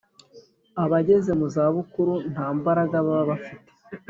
abageze mu za bukuru nta mbaraga baba bafite